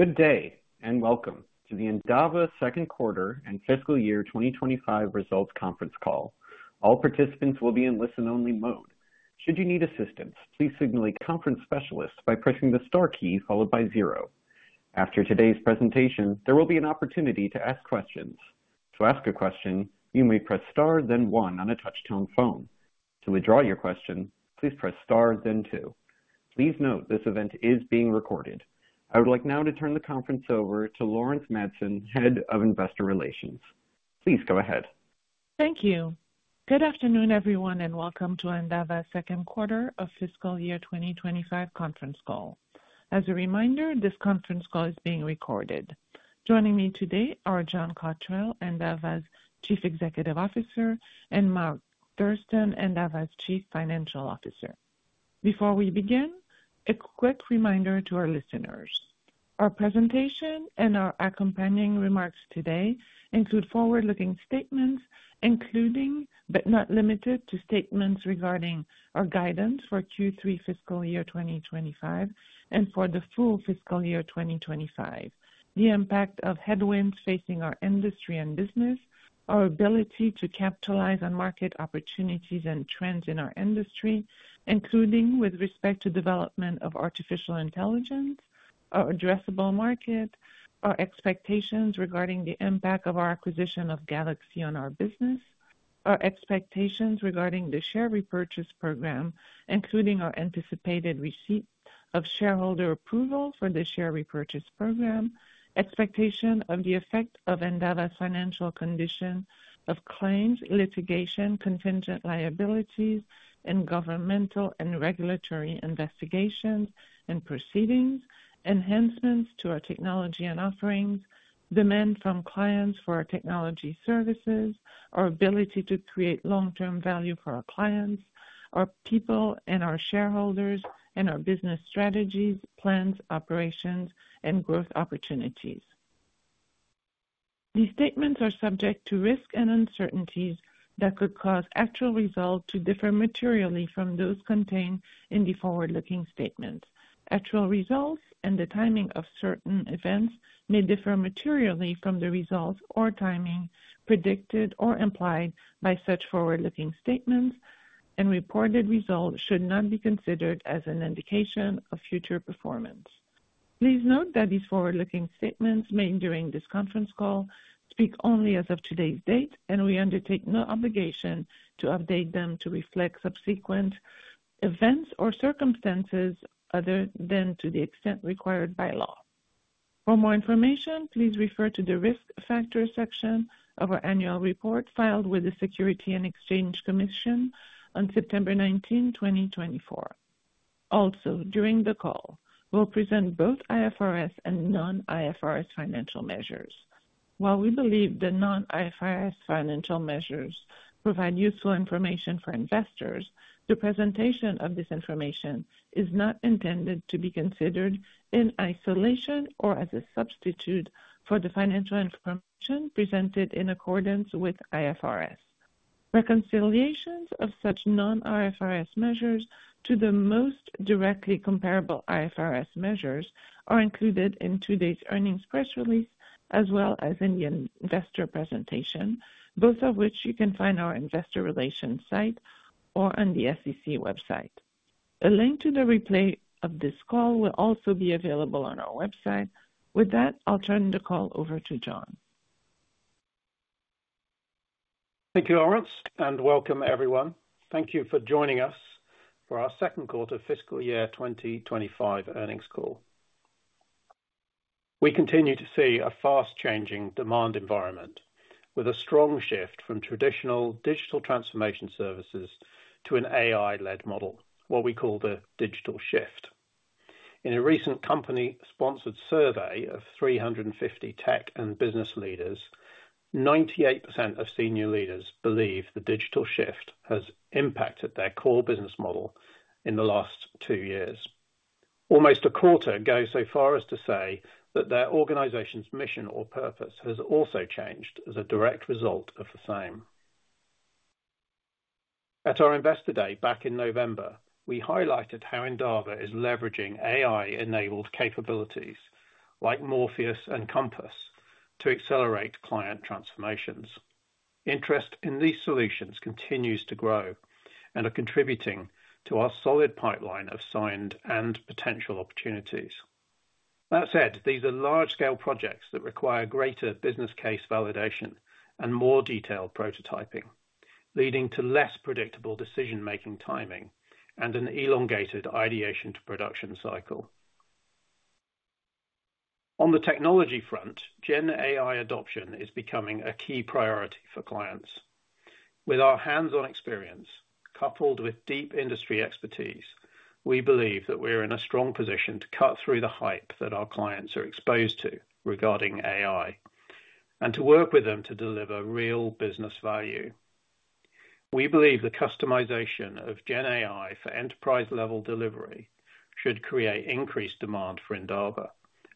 Good day and welcome to the Endava Second Quarter and Fiscal Year 2025 Results Conference Call. All participants will be in listen-only mode. Should you need assistance, please signal a conference specialist by pressing the star key followed by zero. After today's presentation, there will be an opportunity to ask questions. To ask a question, you may press star, then one on a touch-tone phone. To withdraw your question, please press star, then two. Please note this event is being recorded. I would like now to turn the conference over to Laurence Madsen, Head of Investor Relations. Please go ahead. Thank you. Good afternoon, everyone, and welcome to Endava Second Quarter of Fiscal Year 2025 Conference Call. As a reminder, this conference call is being recorded. Joining me today are John Cotterell, Endava's Chief Executive Officer, and Mark Thurston, Endava's Chief Financial Officer. Before we begin, a quick reminder to our listeners. Our presentation and our accompanying remarks today include forward-looking statements, including but not limited to statements regarding our guidance for Q3 Fiscal Year 2025 and for the full Fiscal Year 2025, the impact of headwinds facing our industry and business, our ability to capitalize on market opportunities and trends in our industry, including with respect to the development of artificial intelligence, our addressable market, our expectations regarding the impact of our acquisition of GalaxE on our business, our expectations regarding the share repurchase program, including our anticipated receipt of shareholder approval for the share repurchase program, expectations regarding the effect on Endava's financial condition of claims, litigation, contingent liabilities, and governmental and regulatory investigations and proceedings, enhancements to our technology and offerings, demand from clients for our technology services, our ability to create long-term value for our clients, our people and our shareholders, and our business strategies, plans, operations, and growth opportunities. These statements are subject to risks and uncertainties that could cause actual results to differ materially from those contained in the forward-looking statements. Actual results and the timing of certain events may differ materially from the results or timing predicted or implied by such forward-looking statements, and reported results should not be considered as an indication of future performance. Please note that these forward-looking statements made during this conference call speak only as of today's date, and we undertake no obligation to update them to reflect subsequent events or circumstances other than to the extent required by law. For more information, please refer to the risk factor section of our annual report filed with the Securities and Exchange Commission on September 19, 2024. Also, during the call, we'll present both IFRS and non-IFRS financial measures. While we believe the non-IFRS financial measures provide useful information for investors, the presentation of this information is not intended to be considered in isolation or as a substitute for the financial information presented in accordance with IFRS. Reconciliations of such non-IFRS measures to the most directly comparable IFRS measures are included in today's earnings press release as well as in the investor presentation, both of which you can find on our investor relations site or on the SEC website. A link to the replay of this call will also be available on our website. With that, I'll turn the call over to John. Thank you, Laurence, and welcome, everyone. Thank you for joining us for our Second Quarter Fiscal Year 2025 earnings call. We continue to see a fast-changing demand environment with a strong shift from traditional digital transformation services to an AI-led model, what we call the digital shift. In a recent company-sponsored survey of 350 tech and business leaders, 98% of senior leaders believe the digital shift has impacted their core business model in the last two years. Almost a quarter go so far as to say that their organization's mission or purpose has also changed as a direct result of the same. At our Investor Day back in November, we highlighted how Endava is leveraging AI-enabled capabilities like Morpheus and Compass to accelerate client transformations. Interest in these solutions continues to grow and are contributing to our solid pipeline of signed and potential opportunities. That said, these are large-scale projects that require greater business case validation and more detailed prototyping, leading to less predictable decision-making timing and an elongated ideation-to-production cycle. On the technology front, GenAI adoption is becoming a key priority for clients. With our hands-on experience coupled with deep industry expertise, we believe that we're in a strong position to cut through the hype that our clients are exposed to regarding AI and to work with them to deliver real business value. We believe the customization of GenAI for enterprise-level delivery should create increased demand for Endava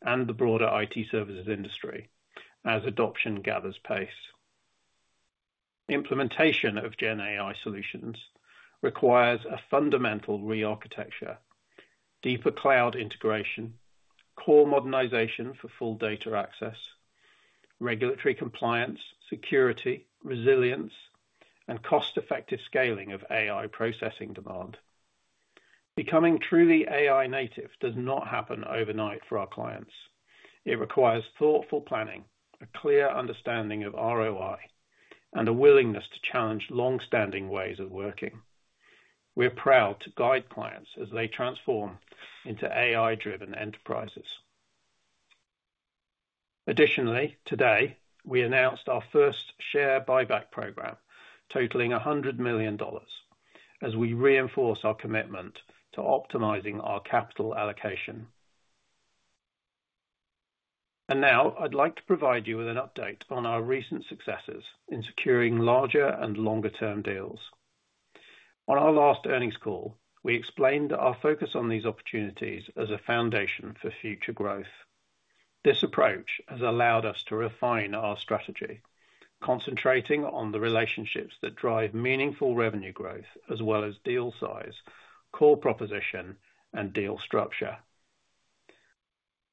and the broader IT services industry as adoption gathers pace. Implementation of GenAI solutions requires a fundamental re-architecture, deeper cloud integration, core modernization for full data access, regulatory compliance, security, resilience, and cost-effective scaling of AI processing demand. Becoming truly AI-native does not happen overnight for our clients. It requires thoughtful planning, a clear understanding of ROI, and a willingness to challenge long-standing ways of working. We're proud to guide clients as they transform into AI-driven enterprises. Additionally, today, we announced our first share buyback program totaling $100 million as we reinforce our commitment to optimizing our capital allocation. Now, I'd like to provide you with an update on our recent successes in securing larger and longer-term deals. On our last earnings call, we explained our focus on these opportunities as a foundation for future growth. This approach has allowed us to refine our strategy, concentrating on the relationships that drive meaningful revenue growth as well as deal size, core proposition, and deal structure.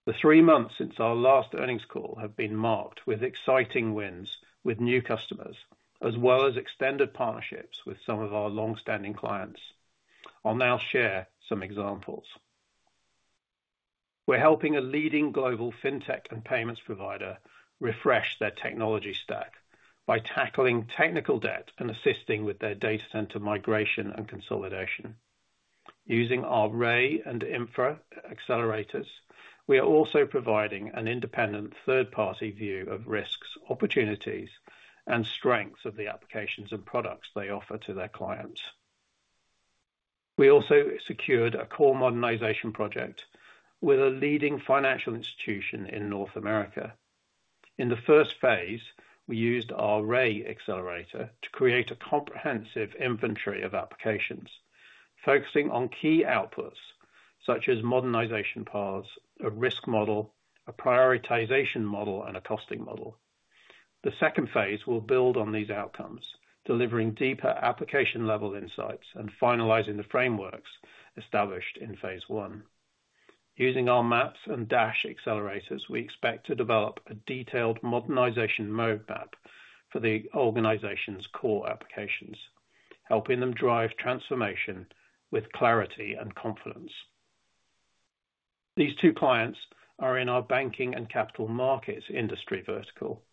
The three months since our last earnings call have been marked with exciting wins with new customers as well as extended partnerships with some of our long-standing clients. I'll now share some examples. We're helping a leading global fintech and payments provider refresh their technology stack by tackling technical debt and assisting with their data center migration and consolidation. Using our Ray and Infra accelerators, we are also providing an independent third-party view of risks, opportunities, and strengths of the applications and products they offer to their clients. We also secured a core modernization project with a leading financial institution in North America. In the first phase, we used our Ray accelerator to create a comprehensive inventory of applications focusing on key outputs such as modernization paths, a risk model, a prioritization model, and a costing model. The second phase will build on these outcomes, delivering deeper application-level insights and finalizing the frameworks established in phase one. Using our Maps and Dash accelerators, we expect to develop a detailed modernization roadmap for the organization's core applications, helping them drive transformation with clarity and confidence. These two clients are in our banking and capital markets industry vertical.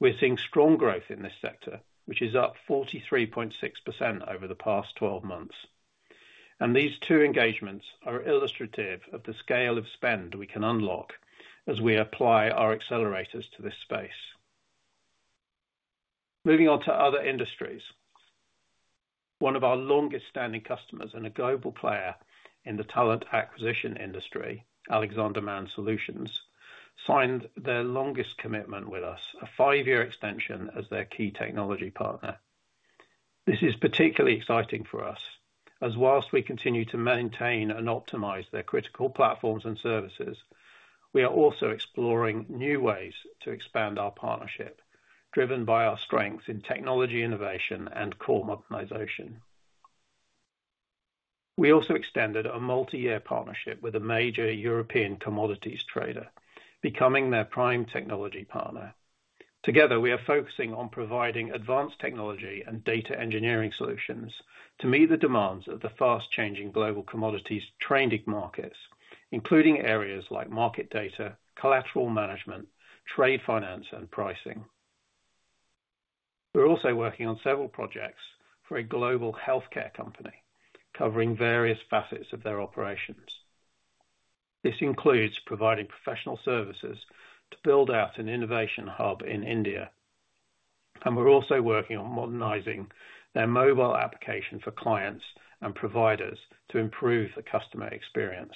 We're seeing strong growth in this sector, which is up 43.6% over the past 12 months, and these two engagements are illustrative of the scale of spend we can unlock as we apply our accelerators to this space. Moving on to other industries, one of our longest-standing customers and a global player in the talent acquisition industry, Alexander Mann Solutions, signed their longest commitment with us, a five-year extension as their key technology partner. This is particularly exciting for us, as whilst we continue to maintain and optimize their critical platforms and services, we are also exploring new ways to expand our partnership, driven by our strengths in technology innovation and core modernization. We also extended a multi-year partnership with a major European commodities trader, becoming their prime technology partner. Together, we are focusing on providing advanced technology and data engineering solutions to meet the demands of the fast-changing global commodities trading markets, including areas like market data, collateral management, trade finance, and pricing. We're also working on several projects for a global healthcare company covering various facets of their operations. This includes providing professional services to build out an innovation hub in India, and we're also working on modernizing their mobile application for clients and providers to improve the customer experience.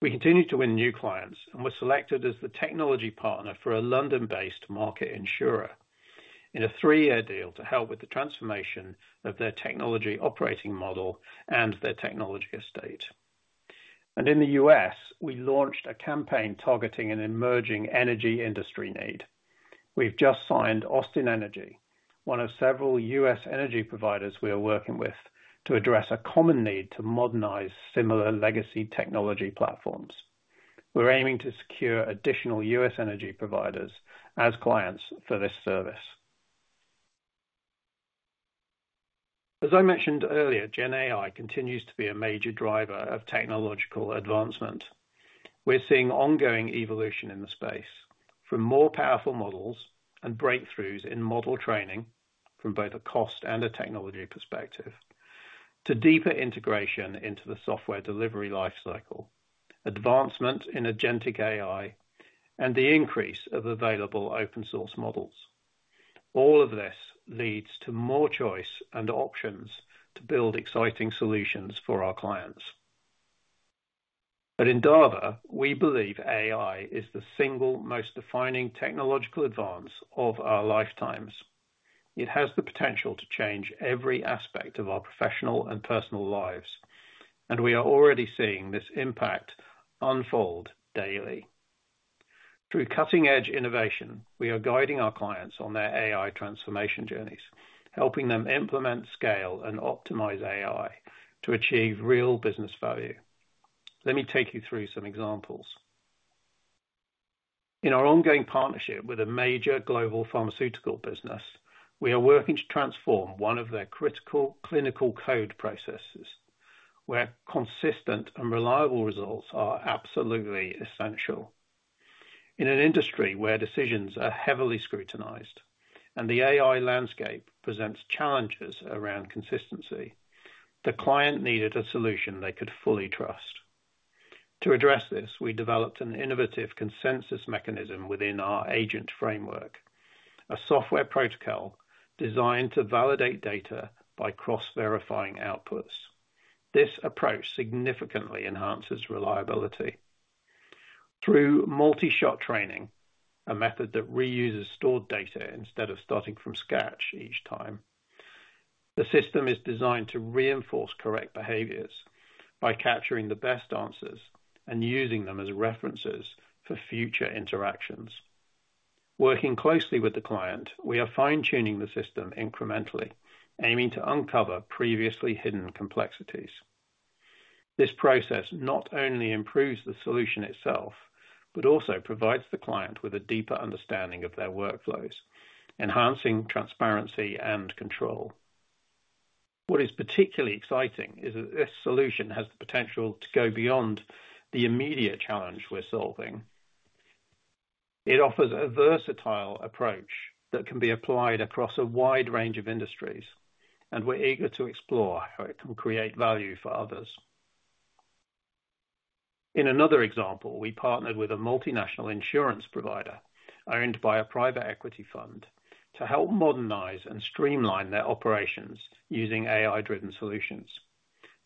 We continue to win new clients, and we're selected as the technology partner for a London-based market insurer in a three-year deal to help with the transformation of their technology operating model and their technology estate, and in the U.S., we launched a campaign targeting an emerging energy industry need. We've just signed Austin Energy, one of several U.S. energy providers we are working with to address a common need to modernize similar legacy technology platforms. We're aiming to secure additional U.S. energy providers as clients for this service. As I mentioned earlier, GenAI continues to be a major driver of technological advancement. We're seeing ongoing evolution in the space from more powerful models and breakthroughs in model training from both a cost and a technology perspective to deeper integration into the software delivery lifecycle, advancement in agentic AI, and the increase of available open-source models. All of this leads to more choice and options to build exciting solutions for our clients. At Endava, we believe AI is the single most defining technological advance of our lifetimes. It has the potential to change every aspect of our professional and personal lives, and we are already seeing this impact unfold daily. Through cutting-edge innovation, we are guiding our clients on their AI transformation journeys, helping them implement, scale, and optimize AI to achieve real business value. Let me take you through some examples. In our ongoing partnership with a major global pharmaceutical business, we are working to transform one of their critical clinical code processes where consistent and reliable results are absolutely essential. In an industry where decisions are heavily scrutinized and the AI landscape presents challenges around consistency, the client needed a solution they could fully trust. To address this, we developed an innovative consensus mechanism within our agent framework, a software protocol designed to validate data by cross-verifying outputs. This approach significantly enhances reliability. Through multi-shot training, a method that reuses stored data instead of starting from scratch each time, the system is designed to reinforce correct behaviors by capturing the best answers and using them as references for future interactions. Working closely with the client, we are fine-tuning the system incrementally, aiming to uncover previously hidden complexities. This process not only improves the solution itself, but also provides the client with a deeper understanding of their workflows, enhancing transparency and control. What is particularly exciting is that this solution has the potential to go beyond the immediate challenge we're solving. It offers a versatile approach that can be applied across a wide range of industries, and we're eager to explore how it can create value for others. In another example, we partnered with a multinational insurance provider owned by a private equity fund to help modernize and streamline their operations using AI-driven solutions.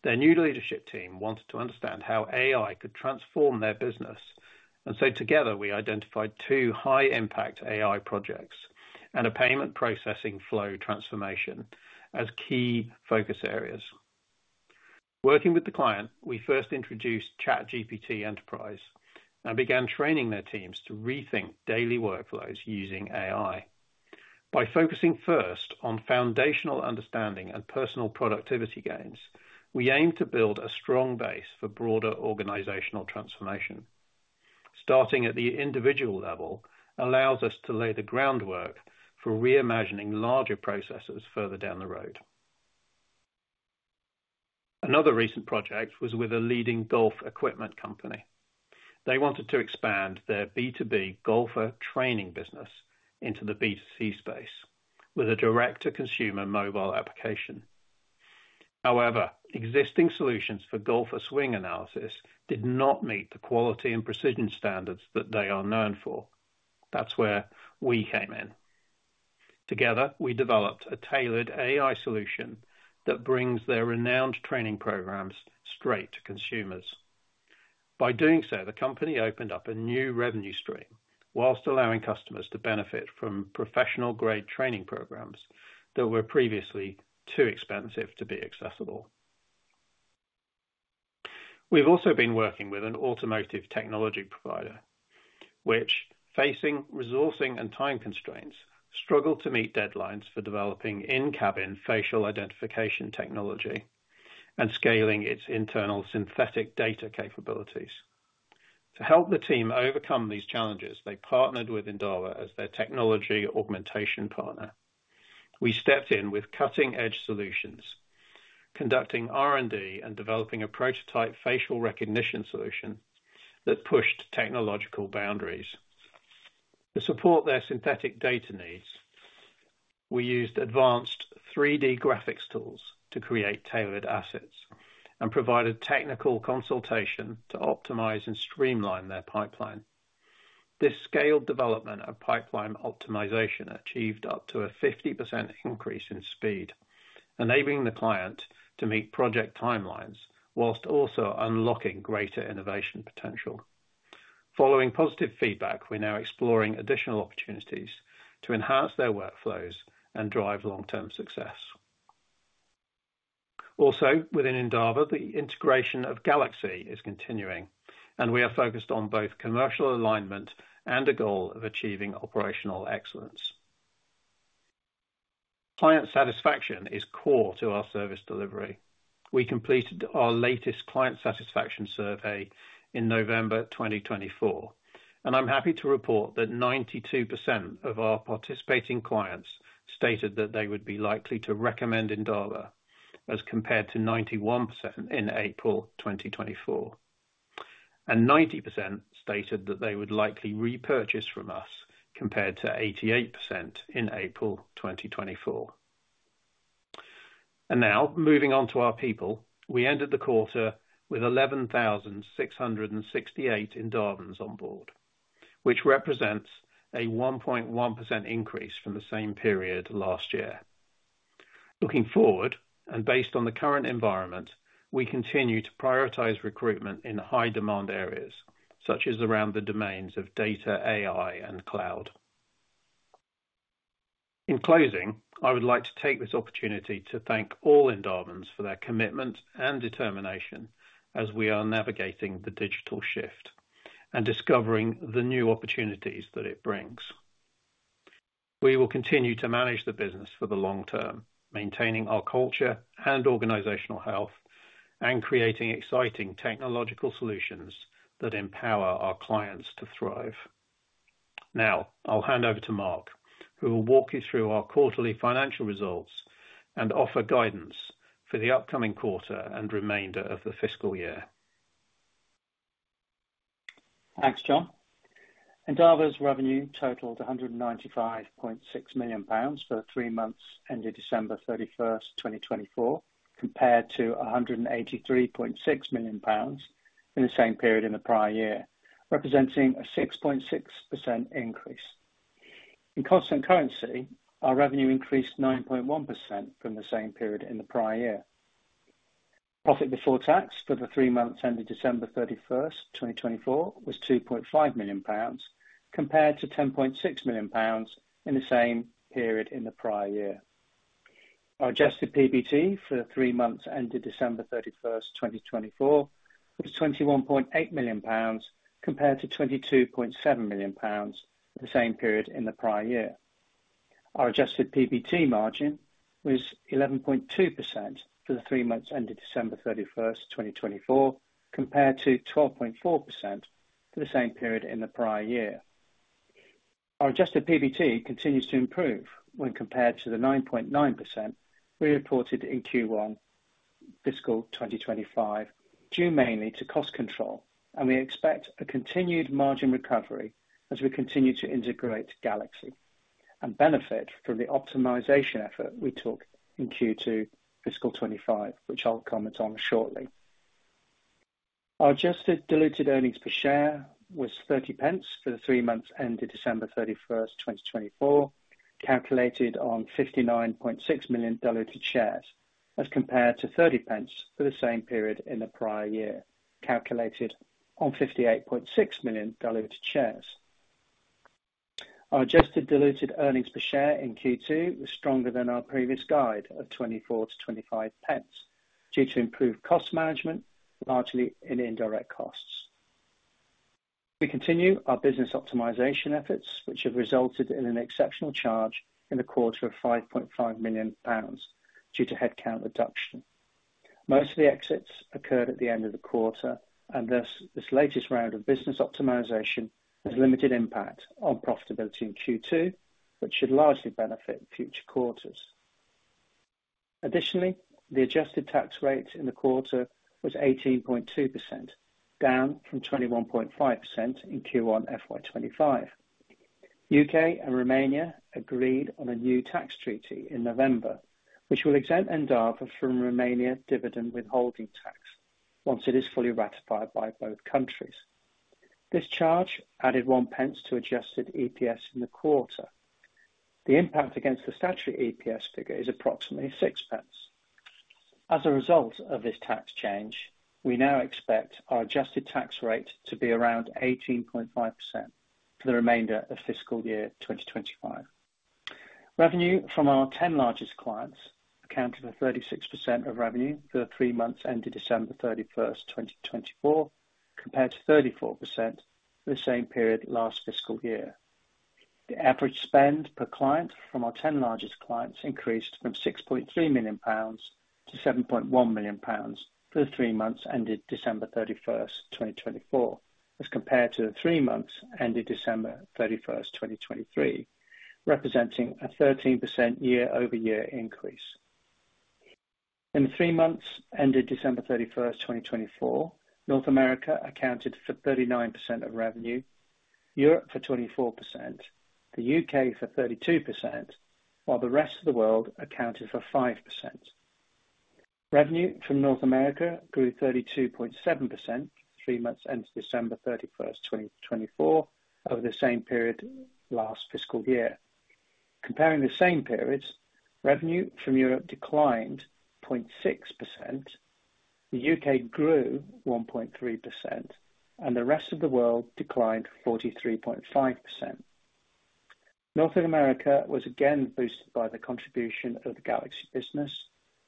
Their new leadership team wanted to understand how AI could transform their business, and so together we identified two high-impact AI projects and a payment processing flow transformation as key focus areas. Working with the client, we first introduced ChatGPT Enterprise and began training their teams to rethink daily workflows using AI. By focusing first on foundational understanding and personal productivity gains, we aim to build a strong base for broader organizational transformation. Starting at the individual level allows us to lay the groundwork for reimagining larger processes further down the road. Another recent project was with a leading golf equipment company. They wanted to expand their B2B golfer training business into the B2C space with a direct-to-consumer mobile application. However, existing solutions for golfer swing analysis did not meet the quality and precision standards that they are known for. That's where we came in. Together, we developed a tailored AI solution that brings their renowned training programs straight to consumers. By doing so, the company opened up a new revenue stream whilst allowing customers to benefit from professional-grade training programs that were previously too expensive to be accessible. We've also been working with an automotive technology provider, which, facing resourcing and time constraints, struggled to meet deadlines for developing in-cabin facial identification technology and scaling its internal synthetic data capabilities. To help the team overcome these challenges, they partnered with Endava as their technology augmentation partner. We stepped in with cutting-edge solutions, conducting R&D and developing a prototype facial recognition solution that pushed technological boundaries. To support their synthetic data needs, we used advanced 3D graphics tools to create tailored assets and provided technical consultation to optimize and streamline their pipeline. This scaled development of pipeline optimization achieved up to a 50% increase in speed, enabling the client to meet project timelines whilst also unlocking greater innovation potential. Following positive feedback, we're now exploring additional opportunities to enhance their workflows and drive long-term success. Also, within Endava, the integration of Galaxy is continuing, and we are focused on both commercial alignment and a goal of achieving operational excellence. Client satisfaction is core to our service delivery. We completed our latest client satisfaction survey in November 2024, and I'm happy to report that 92% of our participating clients stated that they would be likely to recommend Endava as compared to 91% in April 2024, and 90% stated that they would likely repurchase from us compared to 88% in April 2024, and now, moving on to our people, we ended the quarter with 11,668 Endavans on board, which represents a 1.1% increase from the same period last year. Looking forward, and based on the current environment, we continue to prioritize recruitment in high-demand areas such as around the domains of data, AI, and cloud. In closing, I would like to take this opportunity to thank all Endavans for their commitment and determination as we are navigating the digital shift and discovering the new opportunities that it brings. We will continue to manage the business for the long term, maintaining our culture and organizational health, and creating exciting technological solutions that empower our clients to thrive. Now, I'll hand over to Mark, who will walk you through our quarterly financial results and offer guidance for the upcoming quarter and remainder of the fiscal year. Thanks, John. Endava's revenue totaled 195.6 million pounds for three months ending December 31st, 2024, compared to 183.6 million pounds in the same period in the prior year, representing a 6.6% increase. In constant currency, our revenue increased 9.1% from the same period in the prior year. Profit before tax for the three months ending December 31st, 2024, was GBP 2.5 million, compared to GBP 10.6 million in the same period in the prior year. Our adjusted PBT for the three months ending December 31st, 2024, was 21.8 million pounds, compared to 22.7 million pounds for the same period in the prior year. Our adjusted PBT margin was 11.2% for the three months ending December 31st, 2024, compared to 12.4% for the same period in the prior year. Our adjusted PBT continues to improve when compared to the 9.9% we reported in Q1 fiscal 2025, due mainly to cost control, and we expect a continued margin recovery as we continue to integrate Galaxy and benefit from the optimization effort we took in Q2 fiscal 2025, which I'll comment on shortly. Our adjusted diluted earnings per share was 0.30 for the three months ending December 31st, 2024, calculated on 59.6 million diluted shares, as compared to 0.30 for the same period in the prior year, calculated on 58.6 million diluted shares. Our adjusted diluted earnings per share in Q2 was stronger than our previous guide of 0.24-0.25 due to improved cost management, largely in indirect costs. We continue our business optimization efforts, which have resulted in an exceptional charge in the quarter of 5.5 million pounds due to headcount reduction. Most of the exits occurred at the end of the quarter, and thus this latest round of business optimization has limited impact on profitability in Q2, which should largely benefit future quarters. Additionally, the adjusted tax rate in the quarter was 18.2%, down from 21.5% in Q1 FY25. U.K., and Romania agreed on a new tax treaty in November, which will exempt Endava from Romania's dividend withholding tax once it is fully ratified by both countries. This charge added 0.01 to adjusted EPS in the quarter. The impact against the statutory EPS figure is approximately 0.06. As a result of this tax change, we now expect our adjusted tax rate to be around 18.5% for the remainder of fiscal year 2025. Revenue from our 10 largest clients accounted for 36% of revenue for the three months ending December 31st, 2024, compared to 34% for the same period last fiscal year. The average spend per client from our 10 largest clients increased from 6.3 million pounds to 7.1 million pounds for the three months ended December 31st, 2024, as compared to the three months ended December 31st, 2023, representing a 13% year-over-year increase. In the three months ended December 31st, 2024, North America accounted for 39% of revenue, Europe for 24%, the U.K., for 32%, while the Rest of the World accounted for 5%. Revenue from North America grew 32.7% for three months ended December 31st, 2024, over the same period last fiscal year. Comparing the same periods, revenue from Europe declined 0.6%, the U.K., grew 1.3%, and the Rest of the World declined 43.5%. North America was again boosted by the contribution of the Galaxy business,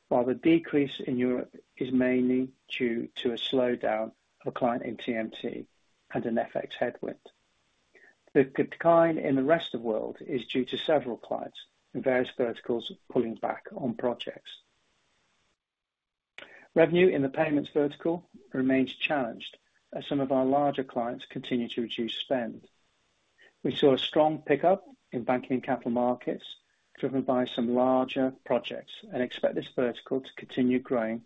while the decrease in Europe is mainly due to a slowdown of a client in TMT and an FX headwind. The decline in the Rest of the World is due to several clients in various verticals pulling back on projects. Revenue in the payments vertical remains challenged as some of our larger clients continue to reduce spend. We saw a strong pickup in banking and capital markets driven by some larger projects and expect this vertical to continue growing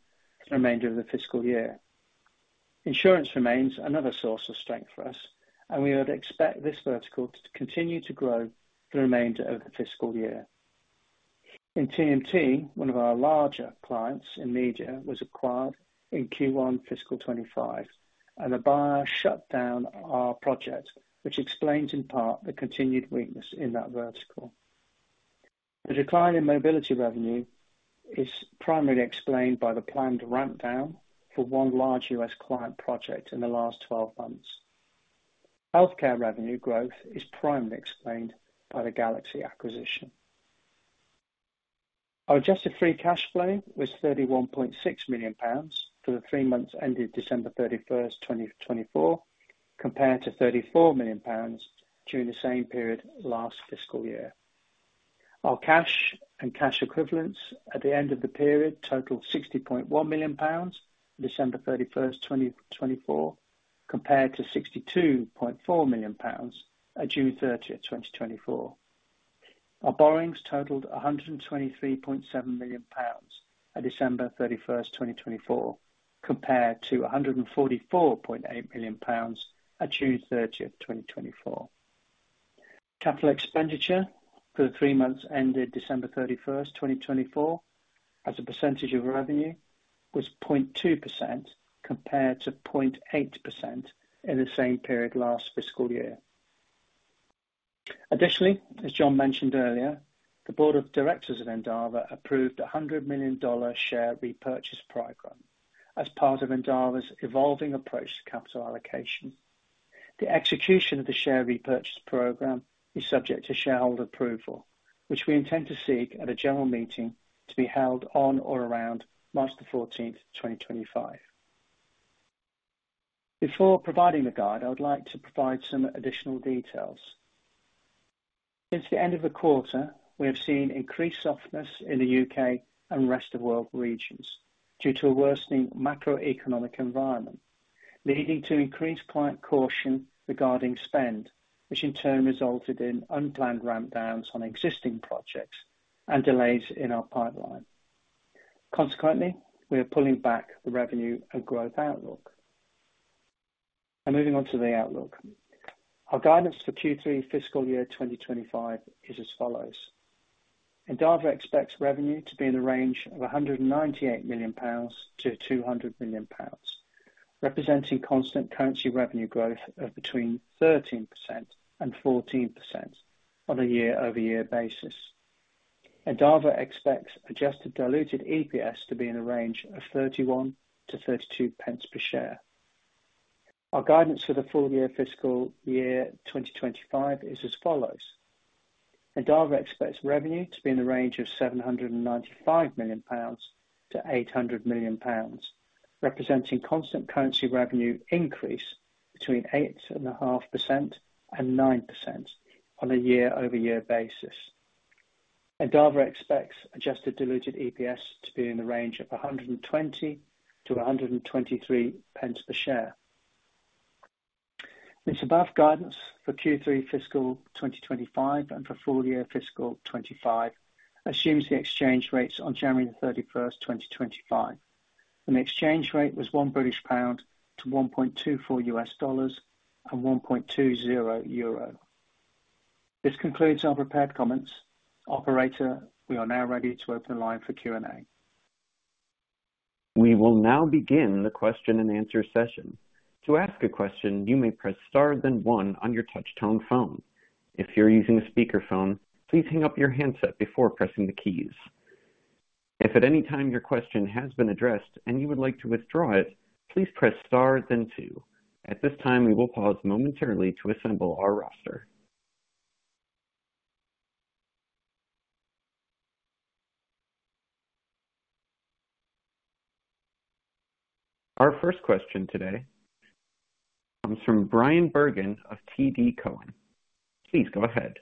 for the remainder of the fiscal year. Insurance remains another source of strength for us, and we would expect this vertical to continue to grow for the remainder of the fiscal year. In TMT, one of our larger clients in media was acquired in Q1 fiscal 2025, and the buyer shut down our project, which explains in part the continued weakness in that vertical. The decline in mobility revenue is primarily explained by the planned ramp-down for one large U.S. client project in the last 12 months. Healthcare revenue growth is primarily explained by the Galaxy acquisition. Our adjusted free cash flow was £31.6 million for the three months ended December 31st, 2024, compared to £34 million during the same period last fiscal year. Our cash and cash equivalents at the end of the period totaled £60.1 million December 31st, 2024, compared to £62.4 million at June 30th, 2024. Our borrowings totaled £123.7 million at December 31st, 2024, compared to £144.8 million at June 30th, 2024. Capital expenditure for the three months ended December 31st, 2024, as a percentage of revenue was 0.2% compared to 0.8% in the same period last fiscal year. Additionally, as John mentioned earlier, the Board of Directors of Endava approved a $100 million share repurchase program as part of Endava's evolving approach to capital allocation. The execution of the share repurchase program is subject to shareholder approval, which we intend to seek at a general meeting to be held on or around March the 14th, 2025. Before providing the guide, I would like to provide some additional details. Since the end of the quarter, we have seen increased softness in the U.K. and Rest of the World regions due to a worsening macroeconomic environment, leading to increased client caution regarding spend, which in turn resulted in unplanned ramp-downs on existing projects and delays in our pipeline. Consequently, we are pulling back the revenue and growth outlook and moving on to the outlook, our guidance for Q3 fiscal year 2025 is as follows. Endava expects revenue to be in the range of 198 million-200 million pounds, representing constant currency revenue growth of between 13% and 14% on a year-over-year basis. Endava expects adjusted diluted EPS to be in the range of 0.31-0.32 per share. Our guidance for the full year fiscal year 2025 is as follows. Endava expects revenue to be in the range of 795 million-800 million pounds, representing constant currency revenue increase between 8.5% and 9% on a year-over-year basis. Endava expects adjusted diluted EPS to be in the range of 120-123 per share. This above guidance for Q3 fiscal 2025 and for full year fiscal 2025 assumes the exchange rates on January 31st, 2025. The exchange rate was £1 to $1.24 and €1 to $1.20. This concludes our prepared comments. Operator, we are now ready to open the line for Q&A. We will now begin the question and answer session. To ask a question, you may press star then one on your touch-tone phone. If you're using a speakerphone, please hang up your handset before pressing the keys. If at any time your question has been addressed and you would like to withdraw it, please press star then two. At this time, we will pause momentarily to assemble our roster. Our first question today comes from Bryan Bergin of TD Cowen. Please go ahead.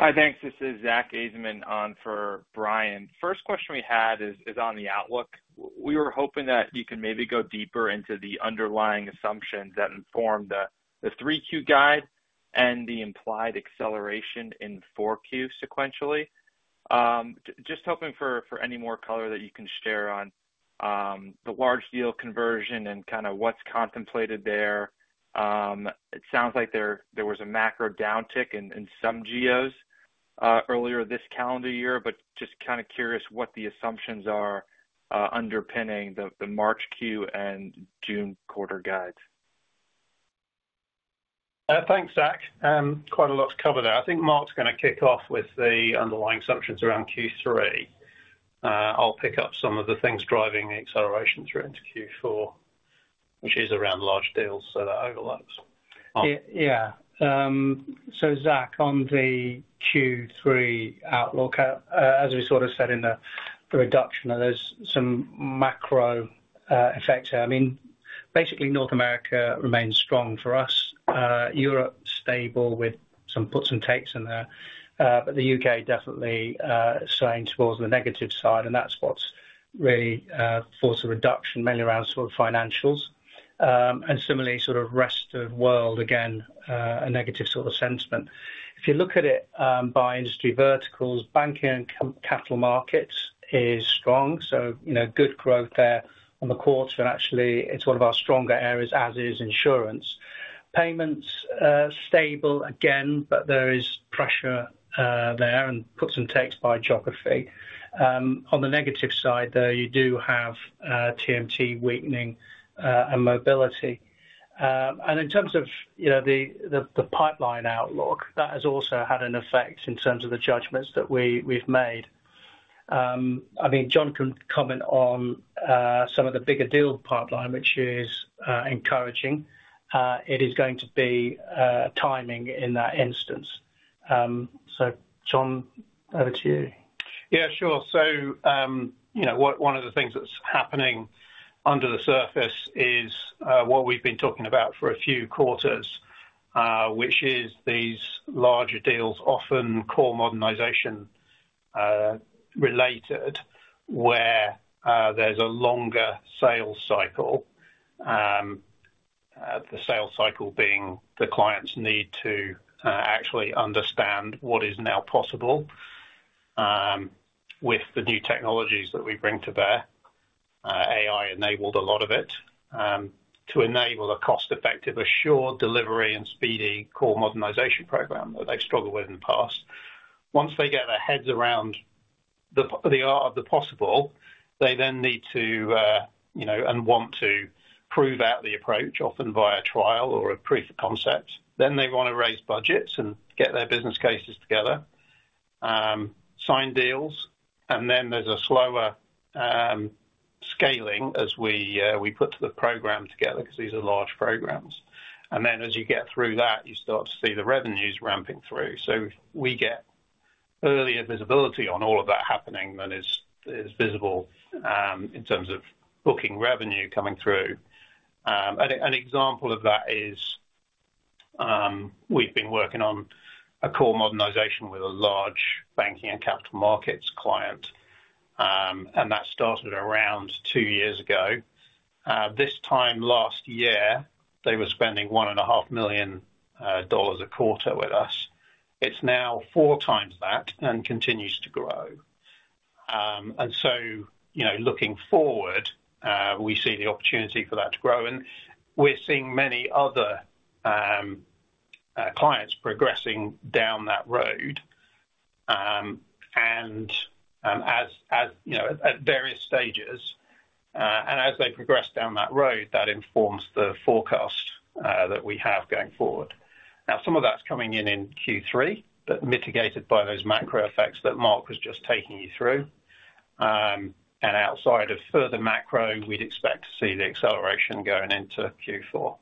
Hi, thanks. This is Zack Ajzenman on for Bryan. First question we had is on the outlook. We were hoping that you can maybe go deeper into the underlying assumptions that inform the Q3 guide and the implied acceleration in Q4 sequentially. Just hoping for any more color that you can share on the large deal conversion and kind of what's contemplated there. It sounds like there was a macro downtick in some geos earlier this calendar year, but just kind of curious what the assumptions are underpinning the Q3 and June quarter guides. Thanks, Zack. Quite a lot to cover there. I think Mark's going to kick off with the underlying assumptions around Q3. I'll pick up some of the things driving the acceleration through into Q4, which is around large deals, so that overlaps. Yeah. So, Zack, on the Q3 outlook, as we sort of said in the reduction, there's some macro effects here. I mean, basically, North America remains strong for us. Europe is stable with some puts and takes in there, but the U.K., definitely is swaying towards the negative side, and that's what's really forced a reduction, mainly around sort of financials. And similarly, sort of Rest of the World, again, a negative sort of sentiment. If you look at it by industry verticals, banking and capital markets is strong. So, good growth there on the quarter. Actually, it's one of our stronger areas, as is insurance. Payments are stable again, but there is pressure there and puts and takes by geography. On the negative side, though, you do have TMT weakening and mobility. And in terms of the pipeline outlook, that has also had an effect in terms of the judgments that we've made. I mean, John can comment on some of the bigger deal pipeline, which is encouraging. It is going to be timing in that instance. So, John, over to you. Yeah, sure. So, one of the things that's happening under the surface is what we've been talking about for a few quarters, which is these larger deals, often core modernization related, where there's a longer sales cycle, the sales cycle being the clients need to actually understand what is now possible with the new technologies that we bring to bear. AI enabled a lot of it to enable a cost-effective, assured delivery and speedy core modernization program that they've struggled with in the past. Once they get their heads around the art of the possible, they then need to and want to prove out the approach, often via trial or a proof of concept. Then they want to raise budgets and get their business cases together, sign deals, and then there's a slower scaling as we put the program together because these are large programs. And then as you get through that, you start to see the revenues ramping through. So we get earlier visibility on all of that happening than is visible in terms of booking revenue coming through. An example of that is we've been working on a core modernization with a large banking and capital markets client, and that started around two years ago. This time last year, they were spending $1.5 million a quarter with us. It's now four times that and continues to grow. And so looking forward, we see the opportunity for that to grow. And we're seeing many other clients progressing down that road and at various stages. As they progress down that road, that informs the forecast that we have going forward. Now, some of that's coming in in Q3, but mitigated by those macro effects that Mark was just taking you through. Outside of further macro, we'd expect to see the acceleration going into Q4.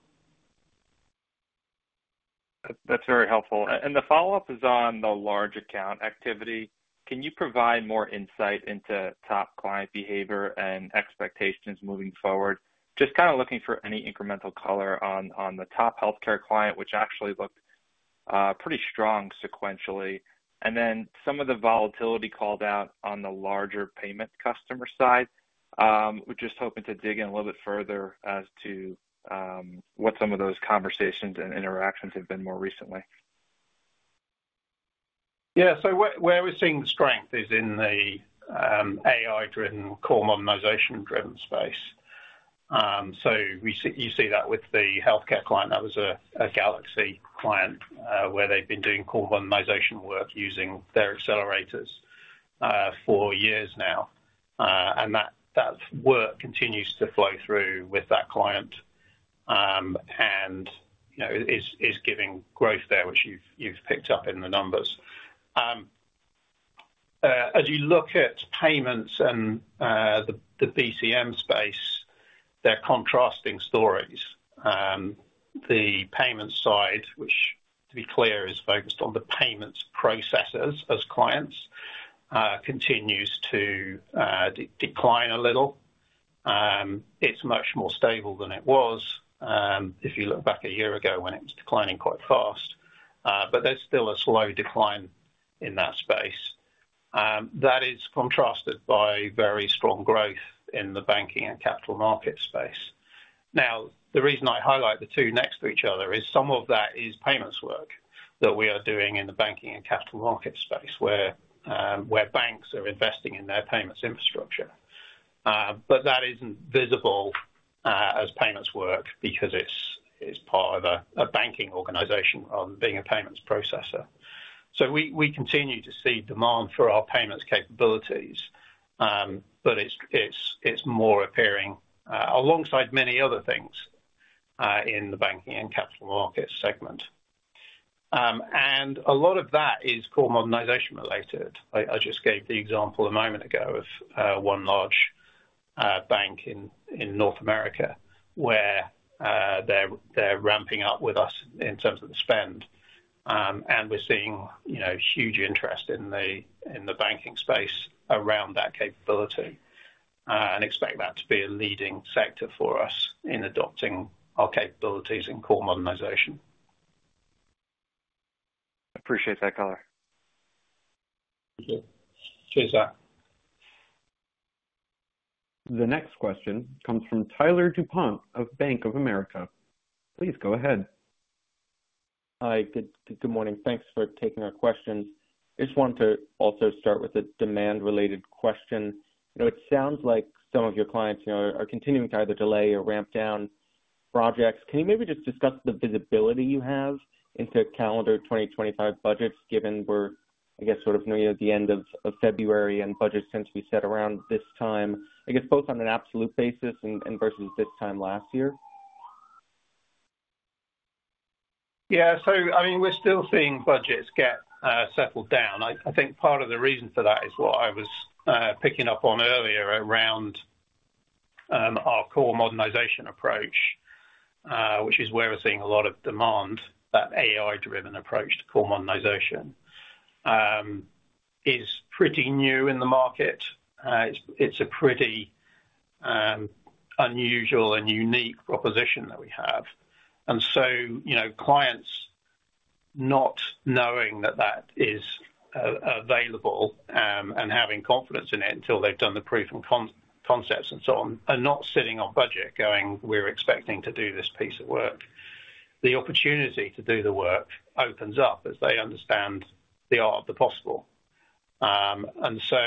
That's very helpful. The follow-up is on the large account activity. Can you provide more insight into top client behavior and expectations moving forward? Just kind of looking for any incremental color on the top healthcare client, which actually looked pretty strong sequentially. Some of the volatility called out on the larger payment customer side. We're just hoping to dig in a little bit further as to what some of those conversations and interactions have been more recently. Yeah. Where we're seeing the strength is in the AI-driven, core modernization-driven space. So you see that with the healthcare client. That was a Galaxy client where they've been doing core modernization work using their accelerators for years now. And that work continues to flow through with that client and is giving growth there, which you've picked up in the numbers. As you look at payments and the BCM space, they're contrasting stories. The payment side, which, to be clear, is focused on the payment processors as clients, continues to decline a little. It's much more stable than it was if you look back a year ago when it was declining quite fast. But there's still a slow decline in that space. That is contrasted by very strong growth in the banking and capital market space. Now, the reason I highlight the two next to each other is some of that is payments work that we are doing in the banking and capital market space where banks are investing in their payments infrastructure. But that isn't visible as payments work because it's part of a banking organization rather than being a payments processor. So we continue to see demand for our payments capabilities, but it's more appearing alongside many other things in the banking and capital markets segment. And a lot of that is core modernization related. I just gave the example a moment ago of one large bank in North America where they're ramping up with us in terms of the spend. And we're seeing huge interest in the banking space around that capability and expect that to be a leading sector for us in adopting our capabilities in core modernization. Appreciate that, caller. Thank you. Cheers, Zach. The next question comes from Tyler Dupont of Bank of America. Please go ahead. Hi. Good morning. Thanks for taking our questions. I just want to also start with a demand-related question. It sounds like some of your clients are continuing to either delay or ramp down projects. Can you maybe just discuss the visibility you have into calendar 2025 budgets, given we're, I guess, sort of near the end of February and budgets tend to be set around this time, I guess, both on an absolute basis and versus this time last year? Yeah. So, I mean, we're still seeing budgets get settled down. I think part of the reason for that is what I was picking up on earlier around our core modernization approach, which is where we're seeing a lot of demand. That AI-driven approach to core modernization is pretty new in the market. It's a pretty unusual and unique proposition that we have. And so clients, not knowing that that is available and having confidence in it until they've done the proof of concepts and so on, are not sitting on budget going, "We're expecting to do this piece of work." The opportunity to do the work opens up as they understand the art of the possible. And so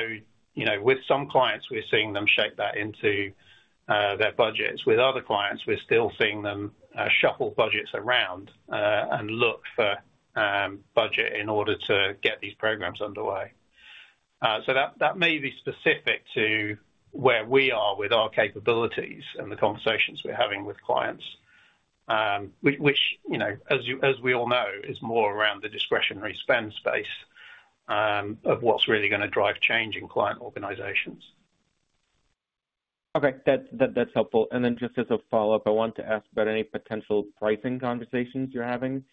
with some clients, we're seeing them shape that into their budgets. With other clients, we're still seeing them shuffle budgets around and look for budget in order to get these programs underway. So that may be specific to where we are with our capabilities and the conversations we're having with clients, which, as we all know, is more around the discretionary spend space of what's really going to drive change in client organizations. Okay. That's helpful. And then just as a follow-up, I want to ask about any potential pricing conversations you're having.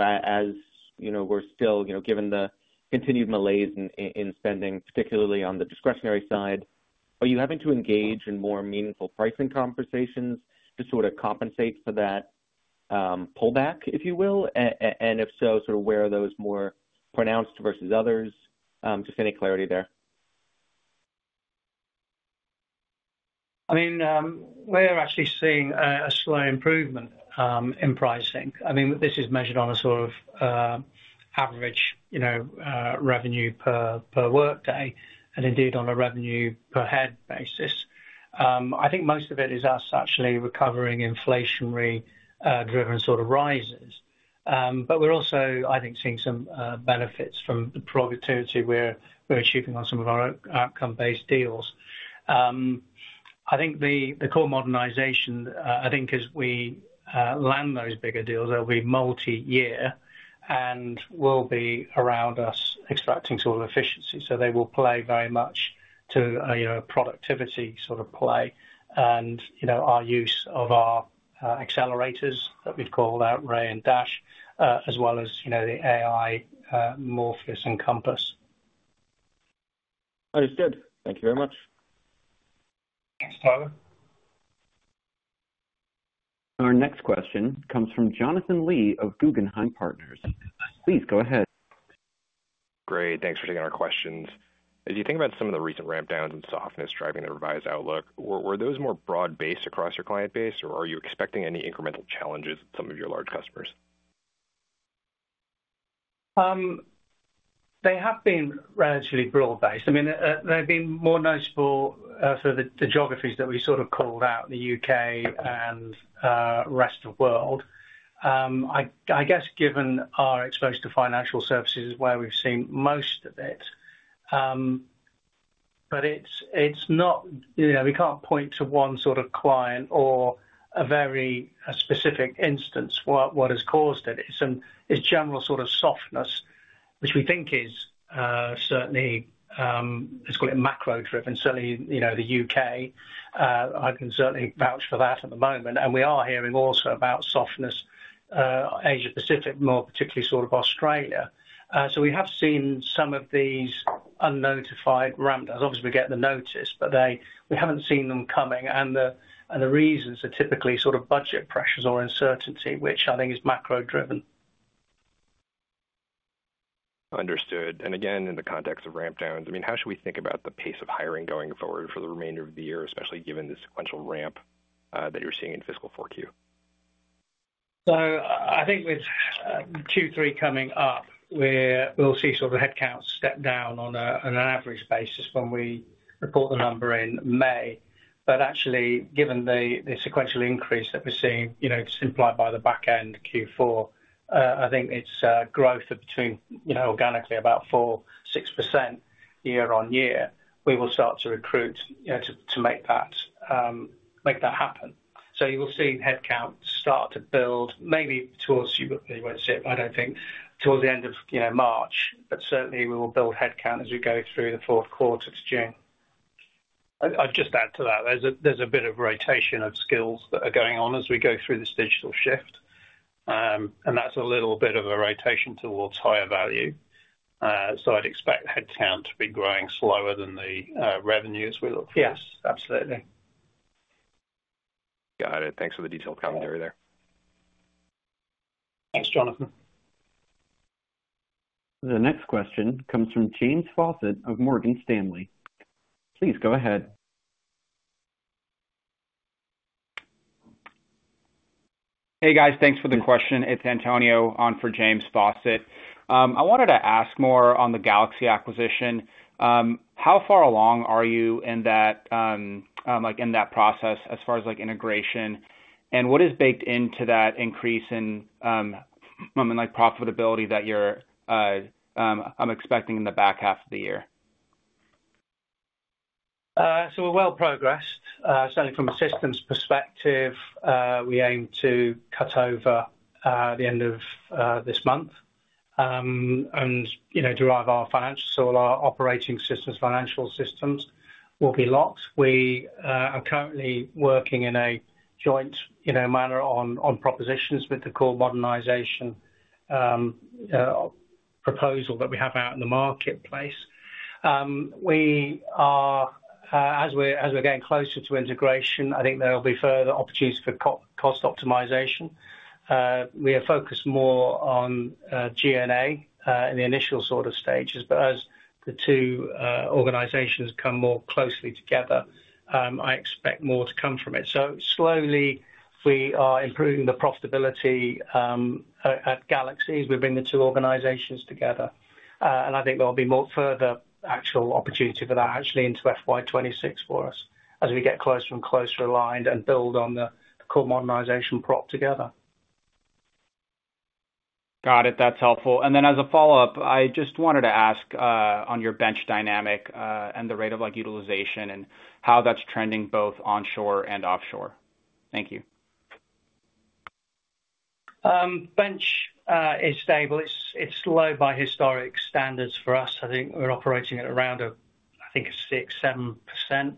As we're still, given the continued malaise in spending, particularly on the discretionary side, are you having to engage in more meaningful pricing conversations to sort of compensate for that pullback, if you will? And if so, sort of where are those more pronounced versus others? Just any clarity there. I mean, we're actually seeing a slow improvement in pricing. I mean, this is measured on a sort of average revenue per workday and indeed on a revenue per head basis. I think most of it is us actually recovering inflationary-driven sort of rises. But we're also, I think, seeing some benefits from the productivity we're achieving on some of our outcome-based deals. I think the core modernization, I think as we land those bigger deals, they'll be multi-year and will be around us extracting sort of efficiency. So they will play very much to a productivity sort of play and our use of our accelerators that we've called out, RAY and DASH, as well as the AI Morpheus and Compass. Understood. Thank you very much. Thanks, Tyler. Our next question comes from Jonathan Lee of Guggenheim Partners. Please go ahead. Great. Thanks for taking our questions. As you think about some of the recent rampdowns and softness driving the revised outlook, were those more broad-based across your client base, or are you expecting any incremental challenges at some of your large customers? They have been relatively broad-based. I mean, they've been more noticeable for the geographies that we sort of called out, the U.K. and Rest of the World. I guess, given our exposure to financial services, is where we've seen most of it. But it's not. We can't point to one sort of client or a very specific instance what has caused it. It's general sort of softness, which we think is certainly, let's call it macro-driven. Certainly, the U.K., I can certainly vouch for that at the moment, and we are hearing also about softness, Asia-Pacific, more particularly sort of Australia, so we have seen some of these unnotified rampdowns. Obviously, we get the notice, but we haven't seen them coming, and the reasons are typically sort of budget pressures or uncertainty, which I think is macro-driven. Understood, and again, in the context of rampdowns, I mean, how should we think about the pace of hiring going forward for the remainder of the year, especially given the sequential ramp that you're seeing in fiscal 4Q? So I think with Q3 coming up, we'll see sort of headcounts step down on an average basis when we report the number in May, but actually, given the sequential increase that we're seeing simplified by the backend Q4, I think it's growth of between organically about 4% to 6% year on year. We will start to recruit to make that happen, so you will see headcount start to build maybe towards you won't see it, but I don't think towards the end of March. But certainly, we will build headcount as we go through the fourth quarter to June. I'd just add to that. There's a bit of rotation of skills that are going on as we go through this digital shift. And that's a little bit of a rotation towards higher value. So I'd expect headcount to be growing slower than the revenue as we look forward. Yes, absolutely. Got it. Thanks for the detailed commentary there. Thanks, Jonathan. The next question comes from James Faucette of Morgan Stanley. Please go ahead. Hey, guys. Thanks for the question. It's Antonio on for James Faucette. I wanted to ask more on the Galaxy acquisition. How far along are you in that process as far as integration? And what is baked into that increase in profitability that I'm expecting in the back half of the year? So we're well progressed. Certainly, from a systems perspective, we aim to cut over the end of this month and derive our financials. So all our operating systems, financial systems will be locked. We are currently working in a joint manner on propositions with the core modernization proposal that we have out in the marketplace. As we're getting closer to integration, I think there will be further opportunities for cost optimization. We are focused more on G&A in the initial sort of stages. But as the two organizations come more closely together, I expect more to come from it. So slowly, we are improving the profitability at Galaxy as we bring the two organizations together. And I think there will be more further actual opportunity for that actually into FY26 for us as we get closer and closer aligned and build on the core modernization prop together. Got it. That's helpful. And then as a follow-up, I just wanted to ask on your bench dynamic and the rate of utilization and how that's trending both onshore and offshore. Thank you. Bench is stable. It's low by historic standards for us. I think we're operating at around, I think, 6%, 7%.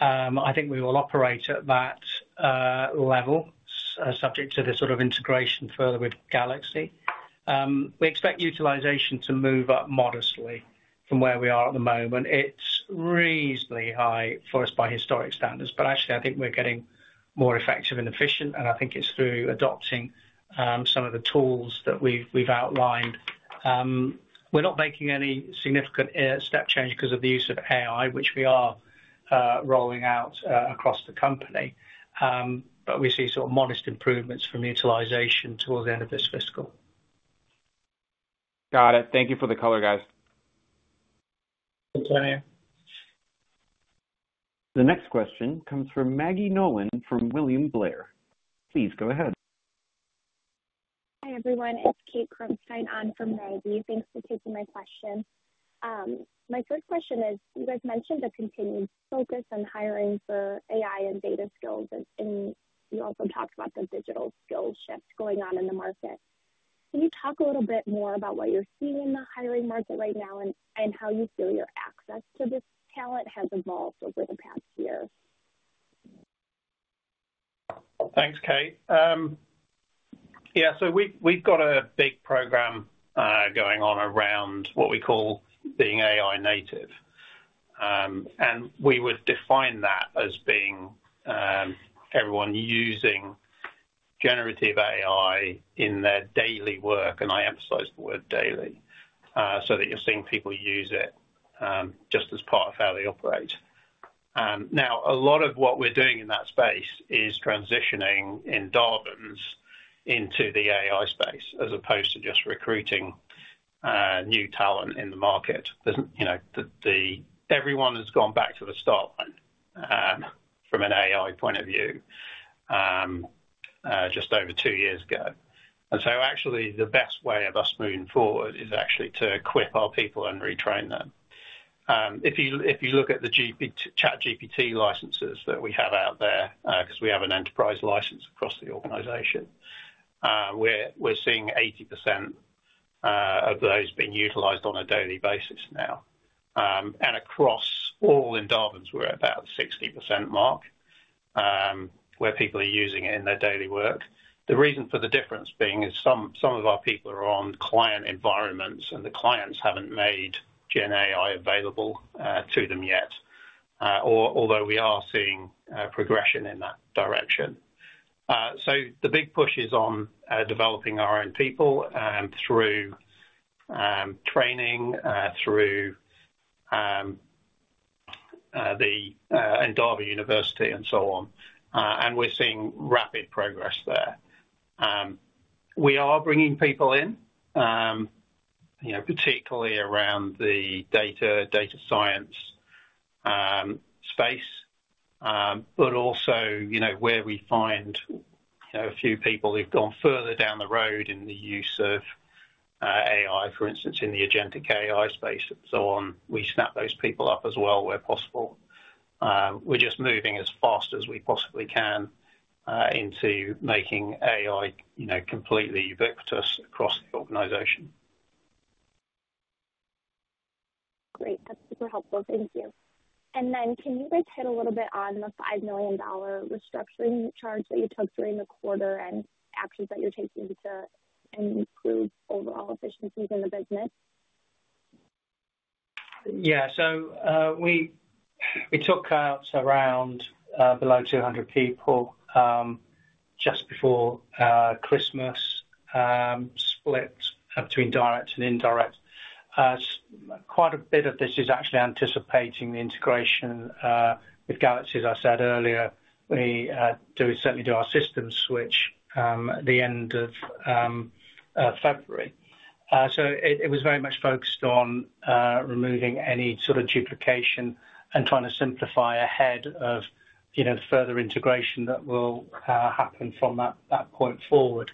I think we will operate at that level subject to the sort of integration further with Galaxy. We expect utilization to move up modestly from where we are at the moment. It's reasonably high for us by historic standards. But actually, I think we're getting more effective and efficient. And I think it's through adopting some of the tools that we've outlined. We're not making any significant step change because of the use of AI, which we are rolling out across the company. But we see sort of modest improvements from utilization towards the end of this fiscal. Got it. Thank you for the color, guys. Antonio. The next question comes from Maggie Nolan from William Blair. Please go ahead. Hi, everyone. It's Kate Kronstein on for Maggie. Thanks for taking my question. My first question is, you guys mentioned a continued focus on hiring for AI and data skills, and you also talked about the digital skills shift going on in the market. Can you talk a little bit more about what you're seeing in the hiring market right now and how you feel your access to this talent has evolved over the past year? Thanks, Kate. Yeah. So we've got a big program going on around what we call being AI-native. And we would define that as being everyone using generative AI in their daily work. And I emphasize the word daily so that you're seeing people use it just as part of how they operate. Now, a lot of what we're doing in that space is transitioning Endava's into the AI space as opposed to just recruiting new talent in the market. Everyone has gone back to the start line from an AI point of view just over two years ago, and so actually, the best way of us moving forward is actually to equip our people and retrain them. If you look at the ChatGPT licenses that we have out there, because we have an enterprise license across the organization, we're seeing 80% of those being utilized on a daily basis now, and across all in Endava's, we're at about the 60% mark where people are using it in their daily work. The reason for the difference being is some of our people are on client environments, and the clients haven't made GenAI available to them yet, although we are seeing progression in that direction. So the big push is on developing our own people through training, through the Endava University, and so on. And we're seeing rapid progress there. We are bringing people in, particularly around the data science space, but also where we find a few people who've gone further down the road in the use of AI, for instance, in the agentic AI space, and so on. We snap those people up as well where possible. We're just moving as fast as we possibly can into making AI completely ubiquitous across the organization. Great. That's super helpful. Thank you. And then can you break it a little bit on the $5 million restructuring charge that you took during the quarter and actions that you're taking to improve overall efficiencies in the business? Yeah. So we took out around below 200 people just before Christmas, split between direct and indirect. Quite a bit of this is actually anticipating the integration with Galaxy, as I said earlier. We certainly do our systems switch at the end of February. So it was very much focused on removing any sort of duplication and trying to simplify ahead of further integration that will happen from that point forward.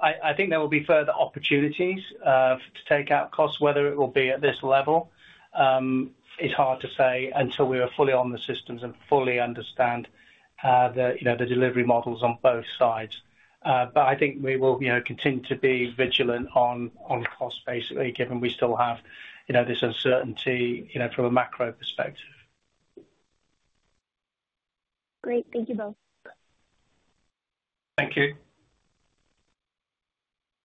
I think there will be further opportunities to take out costs, whether it will be at this level. It's hard to say until we are fully on the systems and fully understand the delivery models on both sides. But I think we will continue to be vigilant on costs, basically, given we still have this uncertainty from a macro perspective. Great. Thank you both. Thank you.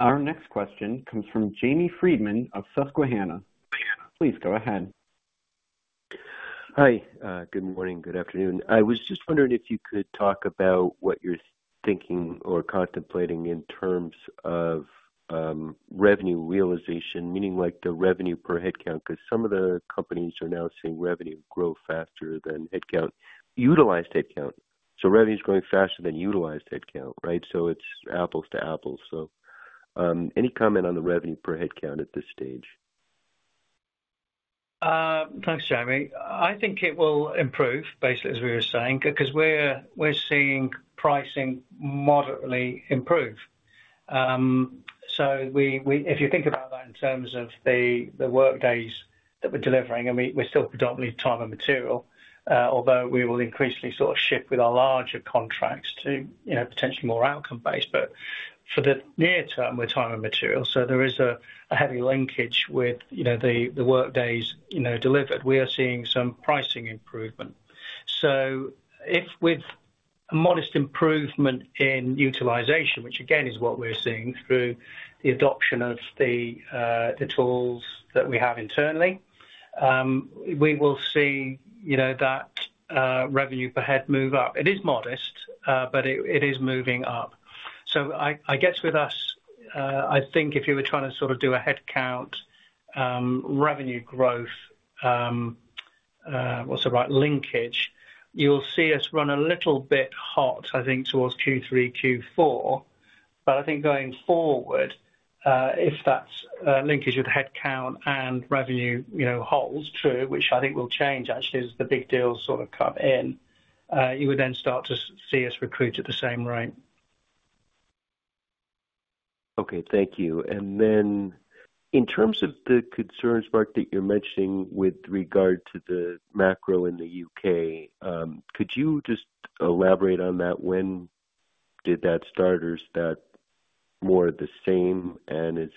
Our next question comes from Jamie Friedman of Susquehanna. Please go ahead. Hi. Good morning. Good afternoon. I was just wondering if you could talk about what you're thinking or contemplating in terms of revenue realization, meaning the revenue per headcount, because some of the companies are now seeing revenue grow faster than utilized headcount. So revenue is growing faster than utilized headcount, right? So it's apples to apples. So any comment on the revenue per headcount at this stage? Thanks, Jamie. I think it will improve, basically, as we were saying, because we're seeing pricing moderately improve. So, if you think about that in terms of the workdays that we're delivering, and we're still predominantly time and material, although we will increasingly sort of shift with our larger contracts to potentially more outcome-based. But for the near term, we're time and material. So there is a heavy linkage with the workdays delivered. We are seeing some pricing improvement. So, if with a modest improvement in utilization, which again is what we're seeing through the adoption of the tools that we have internally, we will see that revenue per head move up. It is modest, but it is moving up. So, I guess with us, I think if you were trying to sort of do a headcount revenue growth, what's the right linkage, you'll see us run a little bit hot, I think, towards Q3, Q4. But I think going forward, if that linkage with headcount and revenue holds true, which I think will change actually as the big deals sort of come in, you would then start to see us recruit at the same rate. Okay. Thank you. And then in terms of the concerns, Mark, that you're mentioning with regard to the macro in the U.K. could you just elaborate on that? When did that start? Or is that more the same? And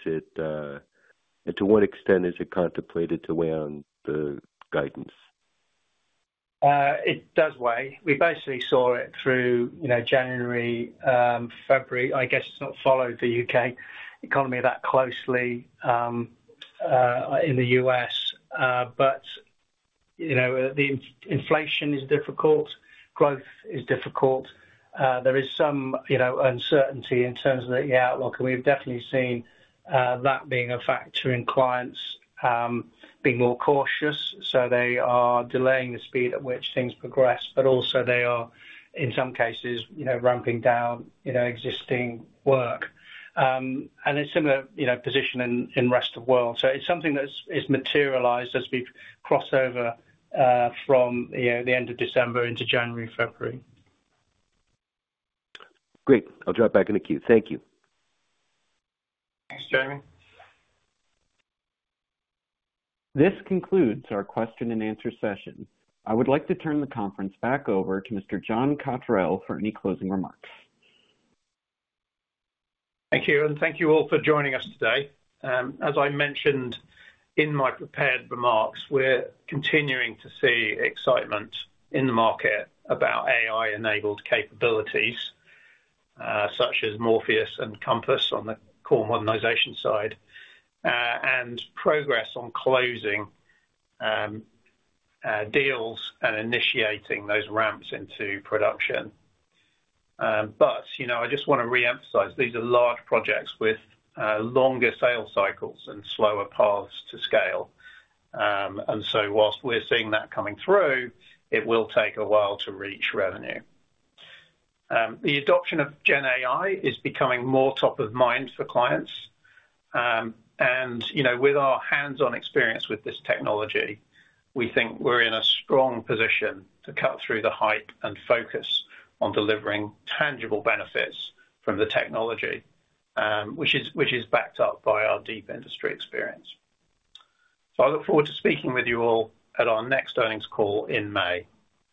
to what extent is it contemplated to weigh on the guidance? It does weigh. We basically saw it through January, February. I guess it's not followed the U.K., economy that closely in the US. But the inflation is difficult. Growth is difficult. There is some uncertainty in terms of the outlook. And we've definitely seen that being a factor in clients being more cautious. So they are delaying the speed at which things progress. But also, they are, in some cases, ramping down existing work. And it's a similar position in the Rest of the World. So it's something that has materialized as we've crossed over from the end of December into January, February. Great. I'll drop back in the queue. Thank you. Thanks, Jamie. This concludes our question and answer session. I would like to turn the conference back over to Mr. John Cotterell for any closing remarks. Thank you. And thank you all for joining us today. As I mentioned in my prepared remarks, we're continuing to see excitement in the market about AI-enabled capabilities such as Morpheus and Compass on the core modernization side and progress on closing deals and initiating those ramps into production. But I just want to reemphasize these are large projects with longer sales cycles and slower paths to scale. And so whilst we're seeing that coming through, it will take a while to reach revenue. The adoption of GenAI is becoming more top of mind for clients. And with our hands-on experience with this technology, we think we're in a strong position to cut through the hype and focus on delivering tangible benefits from the technology, which is backed up by our deep industry experience. So I look forward to speaking with you all at our next earnings call in May.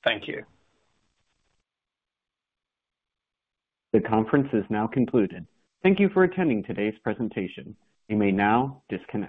Thank you. The conference is now concluded. Thank you for attending today's presentation. You may now disconnect.